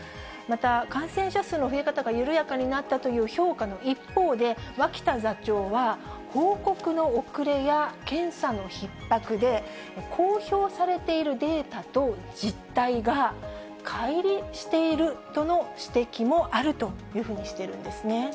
また感染者数の増え方が緩やかになったという評価の一方で、脇田座長は、報告の遅れや検査のひっ迫で、公表されているデータと実態がかい離しているとの指摘もあるというふうにしているんですね。